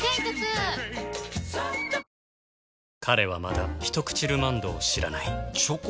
彼はまだ「ひとくちルマンド」を知らないチョコ？